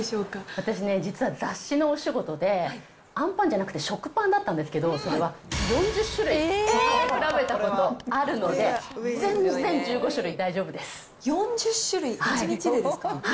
私ね、実は雑誌のお仕事で、あんパンじゃなくて食パンだったんですけど、それは、４０種類食べ比べたことあるので、４０種類？